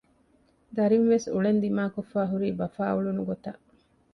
ދަރިވެސް އުޅެން ދިމާކޮށްފައި ހުރީ ބަފާ އުޅުނު ގޮތަށް